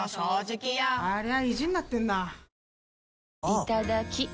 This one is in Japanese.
いただきっ！